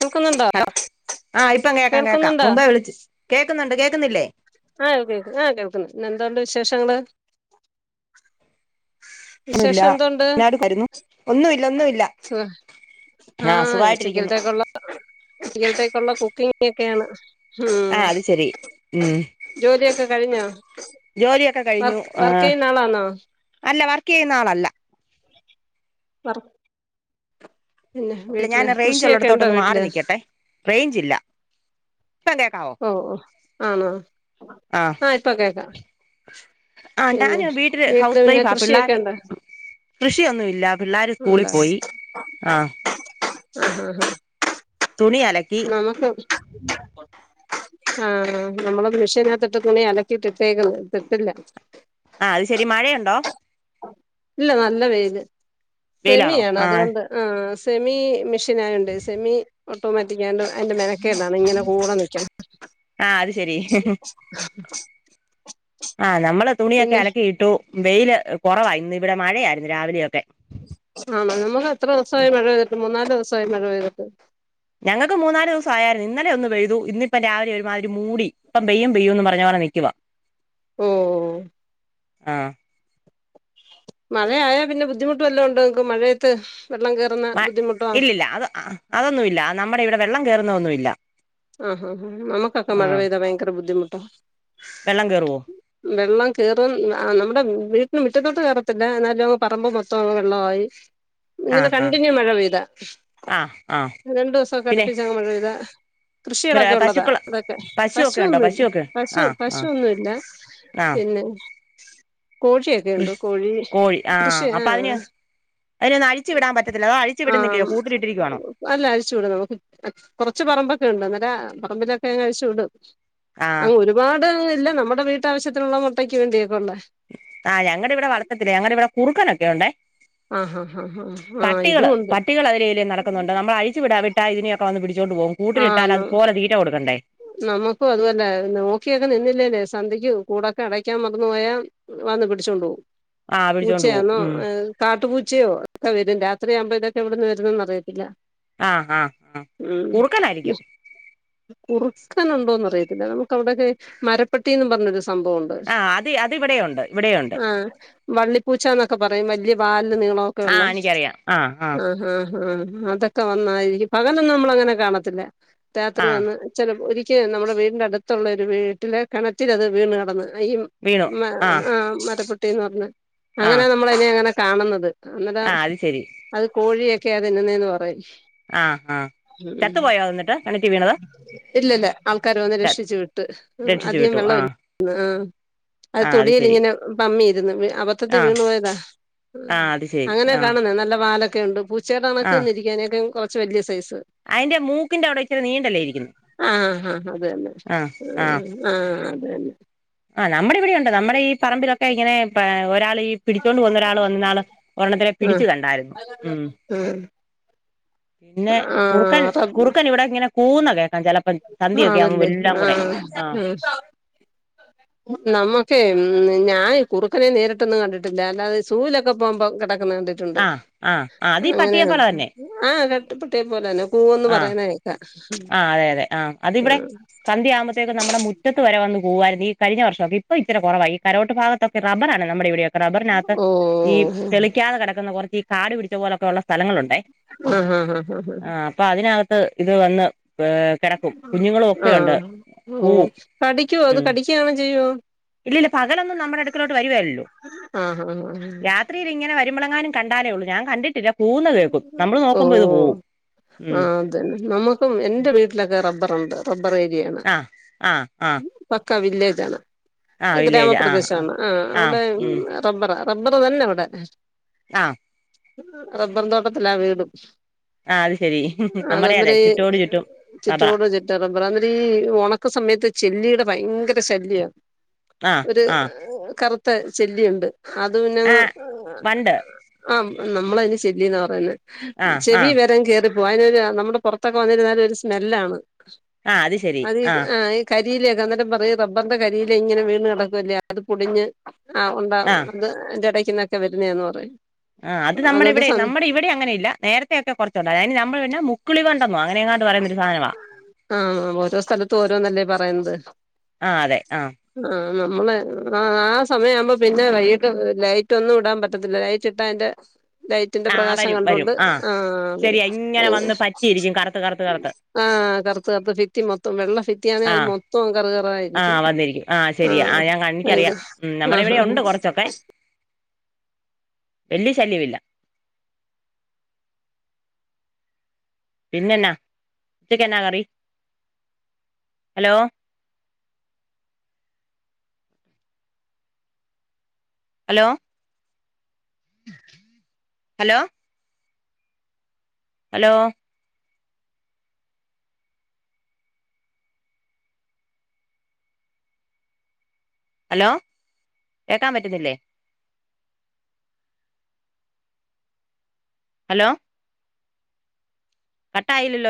കേൾക്കുന്നുണ്ടോ ഹലോ ആ ഇപ്പം കേക്കാം കേക്കാം കേൾക്കുന്നുണ്ടോ മുമ്പേ വിളിച്ചു കേൾക്കുന്നുണ്ട് കേൾക്കുന്നില്ലേ ആഹ് കേക്ക ആഹ് കേൾക്കുന്നുണ്ട് എന്തോ ഒണ്ട് വിശേഷങ്ങള് ഒന്നുമില്ല വിശേഷം എന്തോണ്ട് എന്നാടുക്കായിരുന്നു ഒന്നുമില്ല ഒന്നുമില്ല ആഹ് ഉച്ചഖ്യൽത്തേക്കുള്ള ഉച്ചക്കൽത്തേക്കുള്ള കുക്കിംഗ് ഒക്കെയാണ് ആഹ് അത് ശരി ഉം ജോലി ഒക്കെ കഴിഞ്ഞോ? ജോലിയൊക്കെ കഴിഞ്ഞു വർക്ക് ആ വർക്ക് ചെയ്യുന്ന ആളാണോ അല്ല വർക്ക് ചെയ്യുന്ന ആളല്ല. പറ പിന്നെ അല്ല വീട്ടില് കൃഷിയൊക്കെ ഉണ്ടോ വീട്ടില്. റെയിഞ്ച് ഇല്ല. ഇപ്പം കേക്കാവോ ഓ ഓ ആണോ ആഹ് ആ ഇപ്പൊ കേക്കാം. ആഹ് പിന്നെ ഞാന് വീട്ടില് പിന്നെ കൃഷിയൊക്കെണ്ടോ? കൃഷിയൊന്നുഇല്ല പിള്ളേർ സ്കൂളിൽ പോയി ആഹ. ആഹ ആ ഹ തുണി അലക്കി. നമുക്ക് ആഹ നമ്മള് മെഷീനത്തി ഇട്ട് തുണി അലക്കിട്ടട്ടേക്ക ഇട്ടില്ല. ആ അത് ശരി മഴയുണ്ടോ? ഇല്ല നല്ല വെയില് വെയിലാണോ സെമിയാണ് ആഹ് അതുകൊണ്ട്. ആ സെമി മെഷീൻ ആയുണ്ട് സെമി. ണ്ട് അതിന്റെ മെനക്കേടാണ് ഇങ്ങനെ കൂടെ നിക്കും. ആഹ് അത് ശരി ആഹ് നമ്മള് തുണിയൊക്കെ പിന്നെ അലക്കിയിട്ടു വെയില് കുറവായി ഇന്ന് ഇവിടെ മഴയായിരുന്നു. രാവിലെയൊക്കെ. ആണ് നമുക്ക് എത്ര ദിവസമായി മഴ പെയ്തിട്ട് മൂന്നാല് ദിവസമായി മഴ പെയ്തിട്ട്. ഞങ്ങൾക്ക് മൂന്നാല് ദിവസം ആയാര്ന്നു ഇന്നെലെ ഒന്ന് പെഴുതു ഇന്ന് ഇപ്പം രാവിലെ ഒരുമാതിരി മൂടി ഇപ്പം പെയ്യും പെയ്യും എന്ന് പറഞ്ഞങ്ങ് നിക്കുവാ. [inaudible] ഉം ഉം.. ആഹ് മഴയായൽ പിന്നെ ബുദ്ധിമുട്ട് വല്ലതും ഉണ്ടോ ചോയ്ക്കും മഴയത്ത് വെള്ളം കെ ഇല്ലില്ല അത് അതൊന്നും ഇല്ല നമ്മുടെ ഇവിടെ വെള്ളം കയറുന്നതൊന്നുഇല്ല. ആഹ് ആ അമ്മക്കെക്കെ മഴ പെയ്താ ഭയങ്കര ബുദ്ധിമുട്ടാ. വെള്ളം കേറൂവോ? വെള്ളം കെറും നമ്മുടെ വീട്ടന് മുറ്റത്തോട്ട് കയറത്തില്ല എന്നാലും പറമ്ബ് മൊത്തം ങ് വെള്ള മായി. [inaudible] ആ ഇങ്ങനെ ആ കണ്ടിന്യൂ മഴ പെയ്താ ആ ആ രണ്ടു ദിവസംക്കെ പിന്നെ അടുപ്പിച്ചങ്ങ് മഴ പെയ്താ. പക്ഷികളൊക്കെ ഉള്ളതാ പശുക്കൾ അതൊക്കെ പശുവൊക്കെ ഉണ്ടോ പശുന്നുല്ല പശുവൊക്കെ പശു ആ ആ പശുന്നുല്ല ആ പിന്നെ. പിന്നെ കോഷിക്കെയുണ്ട് കൃഷി കോഴി കൃഷി ആ. അതിനൊ ഒന്ന് അിഴിച്ചു വിടാൻ പറ്റത്തില്ല അതോ അഴിച്ച് ആ വിടുന്നില്ലെ കൂട്ടിലിട്ടിരിക്കയാണോ.. അല്ല അഴിച്ചു വിടും നമുക്ക് കുറച്ച് പറമ്പൊക്കെ ഉണ്ട് ഇന്നലെ പറമ്പിലൊക്കെ അങ്ങ് അഴിച്ചു വിടും. ആ അങ്ങ് ഒരുപാട് ഇല്ല നമ്മുടെ വീട്ടാവശ്യത്തിനുള്ള മുട്ടയ്ക്ക് വേണ്ടിയൊക്കെ ഉള്ളേ. ആ ഞുടെ ഇവിടെ വളർത്തത്തില്ലാ ഞങ്ങളുടെ ഇവിടെ കുറുക്കനൊക്കെ ഉണ്ടെ.. ആ ഹാ ഹാ ഹാ ആ പട്ടികള് ഇതും ഉണ്ട് പട്ടികൾ അതിലെ ഇതിലെ നടക്കുന്നുണ്ട് നമ്മൾ അഴിച്ചു വിടാൻ വേണ്ടി. ഇതിനൊക്കെ വന്ന് പിടിച്ചോണ്ട് പോകും കൂട്ടിലിട്ടാൽ അത് പോല തീറ്റ കൊടുക്കണ്ടേ.. നമ്മുക്കും അതുതന്നെ നോക്കിയൊക്കെ നിന്നില്ലേല്ലേ സന്ദ്യക്ക് കൂടൊക്കെ അടയ്ക്കാൻ മറന്ന് പോയാ.. വന്നു പിടിച്ചോണ്ട് പോക്കും ആഹ് പിടിച്ചോണ്ട് പോവും പൂച്ചയാന്നോ. ഉം കാട്ടുപൂച്ചയോ ഒക്കെ വരും രാത്രി ആവുമ്പോതൊക്കെ എവിടന്ന് വരുന്നെന്ന് അറിയത്തില്ല. ആഹ് ആഹ് ആഹ് ഉം. കുറുക്കനായിരിക്കും കുറുക്കാനുണ്ടോ അറിയത്തില്ല നമുക്ക് അവിടെയൊരു മരപ്പട്ടിന്ന് പറഞ്ഞൊരു സംഭവംണ്ട്. ആ അത് അത് ഇവിടെ ഉണ്ട് ഇവിടെയുണ്ട്. ആഹ്. വള്ളിപ്പൂച്ച എന്നൊക്കെ പറയും വലിയ വാല്ല് നീളോ. ഓകെ ആഹ് യുള്ളെ എനിക്കറിയാം ആഹ് ആഹ് ആഹ ആഹ ആഹ അതൊക്ക. ഒക്കെ വന്നായിരിക്കും പകലെന്നും നമ്മള് അങ്ങനെ കാണത്തില്ല രാത്രി ആഹ് വന്ന്. ചിലപ്പോ ഒരിക്കെ നമ്മുടെ വീടിന്റെ അടുത്തുള്ള ഒരു വീട്ടിലെ കിണറ്റിലത് വീണ് കിടന്ന് അയ.. വീണു മ ആഹ് ആഹ മരപ്പട്ടിന്ന് പറഞ്ഞ അങ്ങനാ ആഹ് നമ്മളതിനെ അങ്ങനെ കാണുന്നത്. ന്നട്ടെ ആഹ് അത് ശരി അത് കോഴിയൊക്കെയ തിന്നുന്നേന്ന് പറയും. ആഹ് ആഹ് ചത്ത് പോയോ എന്നിട്ട്ത് കിണറ്റി വീണത്. ഇല്ലല്ല ആൾക്കാര് വന്ന് രക്ഷിച്ചു വിട്ട് രക്ഷിച്ചു അധികം വിട്ടു വെള്ളംല്ല ആഹ് ന്ന് ആഹ്‌.. അത് ആഹ് ശരി തൊടിയിലിങ്ങനെ പമ്മിയിരുന്ന് അവ.. ദ്ധത്തി ആഹ് വീണു പോയതാ. ആഹ് അത് ശരി അങ്ങനെ ആഹ് കാണുന്നെ. നല്ല വാലൊക്കെ ഉണ്ട്.. പൂച്ചടെ കണക്കന്നെ ഇരിക്കഅയ്നെക്കാളും കൊർച്ച് വല്യ സൈസ്.. അയ്ന്റെ മൂക്കിന്റവിടെ ഇച്ചിരി നീണ്ടല്ലേ ഇരിക്കുന്നെ.. ആഹ്‌ ഹാഹ അത് തന്നെ.. ആഹ്‌ ആഹ്‌. ആഹ്‌ അത് തന്നെ.. ആഹ്‌ നമ്മുടെ ഇവിടെയുണ്ട് നമ്മുടെ ഈ പറമ്പിലൊക്കെ ഇങ്ങനെ പ്പാ ഒരാളീ.. പിടിച്ചോണ്ട് പോന്ന ഒരാൾ വന്ന്ന്നാള് ഒരെണ്ണത്തിനെ പിടിച്ചു കണ്ടായിരുന്നു ഉം.. പിന്നെ ആ കുറുക്കൻ ആ കുറുക്കനിവിടെക്കെങ്ങനെ കൂവുന്നെ കേക്കാം ചെലപ്പോ.. വരും. ആ സന്ധയൊക്കെ ആവുമ്പോ ആണല്ലേ എല്ലാം ആ കൂടെ ആഹ്‌.. നമ്മുക്കെ ഉം ഞാൻ കുറുക്കനെ നേരിട്ടൊന്നും കണ്ടിട്ടില്ല അല്ലാതെ.. സൂലൊക്കെ പോകുമ്പോ കെടക്കുന്നെ കണ്ടിട്ടുണ്ട് ആഹ് ആഹ് ആഹ് അത് ഈ അങ്ങനെയ പട്ടിയെപ്പോലെ കണ്ടിട്ടുണ്ട്.. തന്നെ ആഹ് നട്ട്പ്പട്ടിയ പോലെന്നെ കൂവന്ന് പറയിന്നത കേൾക്കാം.. ആഹ്‌ അതെ അതെ ആഹ് അതിവിടെ സന്ധ്യ ആകുമ്പ.. റ്റേത് നമ്മടെ മുറ്റത്ത്‌ വരെ വന്ന് പോവായിരുന്നീ കഴിഞ്ഞ വർ ഷൊകെ ഇപ്പ ഇത്തിര കൊറവാ ഈ കരോട്ട് ഭാഗത്തൊക്കെ റബ്ബറാണ് നമ്മുടെ വിടെയോ റബറിനകത്ത്, ഓ ഈ തെളിക്കാതെ കെടക്കുന്ന, കുറച്ച് ഈ കാടു പിടിച്ച പോലൊക്കെ ഉള്ള സ്ഥലങ്ങളുണ്ടേ, ആ ആ ആ ആ ആഹ് അപ്പതിനകത്ത് ഇത്, വന്ന് ഏഹ് കെട ആഹ്, ഓഹ് കടിക്കുവോ, അത് ഉം കടിക്കയാണം, ചെയ്യുവോ ഇല്ലില്ല പകലൊന്നും, നമ്മുടെ അടുക്കലോട്ട്, വരുവേലല്ലോ ആഹ് ആഹ് ആഹ് രാത്രി ത്രിലിങ്ങനെ വരുമ്പളെങ്ങാനും, കണ്ടാലേഒള്ളൂ, ഞാൻ കണ്ടില്ല കൂവുന്ന കേക്കും, നമ്മള് നോക്കുമ്പോ, ഇത് പോവും ഉം. ത് ന്നെ, നമുക്കും എന്റെ വീട്ടിലൊക്കെ റബ്ബറുണ്ട് റബ്ബർ ഏരിയയാണ്.. ആ ആ ആ പക്കാ വില്ലേജാണ്. ആ ഉം വില്ലേജ് ആ ഗ്രാമപ്രദേശാണ് ആ അവിടെ.. റബ്ബറാ, റബ്ബറ് തന്നവിടെ. ആഹ്. റബ്ബർ തോട്ടത്തിലാ, വീടും. ആ അത് ശരി നമ്മുടെ അതെ [unintelligible] ചുറ്റോട് ചുറ്റും റബറാ ചിറ്റോടു ചി [unintelligible] ഒണക്ക സമയത്ത് ചെല്ലീടെ ഭയങ്കര ശല്യാ. ആ ഒര്, ആ കറുത്ത ചെല്ലിയുണ്ട്, അത് ആ പിന്നങ്ങ് വണ്ട് ആഹ് നമ്മളതിന് ചെല്ലീന്ന പറയ്ന്നെ ആ ആ ചെവി വരം കേറി പൂവ, അയ്നൊരു, നമ്മുടെ പുറത്തൊക്കെ വന്നിരുന്നാല് ഒരു സ്മെല്ലാണ്, ആ ശരി അത് ആ ഇ കരിയിലേക്ക, അന്നേരം പറയും റബറിന്റെ, കരിയില ഇങ്ങനെ വീണ് കിടക്കുവല്ലേ, അത് പൊടിഞ്ഞ് ആഹ്, ഉണ്ടാവും ആ അത് ജടക്കന്നൊക്കെ, വരുന്നെയാന്ന് പറയും ആഹ്, അത് നമ്മടെ അതുകൊണ്ട് ഇവിടെ, സം നമ്മടെ ഇവിടെ അങ്ങനെ ഇല്ല നേരത്തെഒക്കെ, കുറച്ചുണ്ട, അതി നമ്മള്ന്ന ക്കുളികണ്ടെന്നോ, അങ്ങെനെ എങ്ങാണ്ട് പറയുന്ന ഒരു സാധനവാ. ആഹ്, ഓരോ സ്ഥലത്തും, ഓരോന്നല്ലേ പറയുന്നത്. ആഹ് അതെ ആഹ്. ആഹ്, നമ്മളെ ആഹ് ആഹ് സമയ ആവുമ്പോ, പിന്നെ വൈകിട്ട് ലൈറ്റൊന്നു ഇടാൻ പറ്റത്തില്ല, ലൈറ്റ് റ്റിട്ട അയ്ന്റെ, ലൈറ്റിന്റെ ആ പ്രകാശം വരും വരും കണ്ടൊണ്ട് ആഹ് വരും രിക്കും, കറത്ത് കറത്ത് കറത്ത് ആഹ്, കറുത്ത് അപ്പൊ ഫിത്തി മൊത്തം, വെള്ള ഫിത്തി ആണേ അത് മൊത്തം, കറ് കറായിരിക്കും. ആഹ്, ശരിയ ആ ഞാൻ കൺ എനിക്കറിയാം, ഉം നമ്മുടെ ഇവിടെ ആഹാ ഉണ്ട് കുറച്ചൊക്കെ വല്യ ശല്യവില്ല. പിന്നെന്നാ, ഉച്ചക്കെന്നാ കറി hello? Hello. Hello. Hello. Hello, കേക്കാൻ പറ്റുന്നില്ലേ. ഹലോ. കട്ടായില്ലല്ലോ ഞാ